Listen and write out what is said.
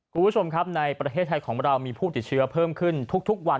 คุณผู้ชมครับในประเทศไทยของเรามีผู้ติดเชื้อเพิ่มขึ้นทุกวัน